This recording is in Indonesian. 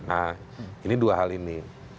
nah ini dua hal ini